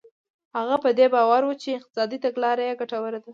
هغه په دې باور و چې اقتصادي تګلاره یې ګټوره ده.